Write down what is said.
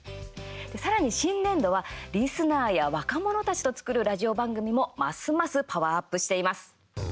さらに、新年度はリスナーや若者たちと作るラジオ番組もますますパワーアップしています。